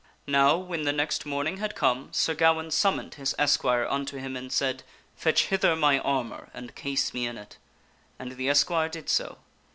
NOW, when the next morning had come, Sir Gawaine summoned his esquire unto him and said, " Fetch hither my armor and case me in it." And the esquire did so.